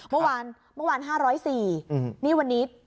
เมื่อวาน๕๐๔รายนี่วันนี้